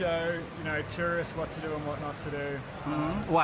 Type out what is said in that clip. apa yang harus dilakukan